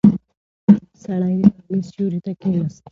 سړی د غرمې سیوري ته کیناست.